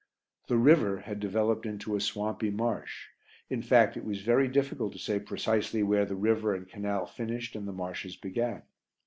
The river had developed into a swampy marsh; in fact it was very difficult to say precisely where the river and canal finished and the marshes began.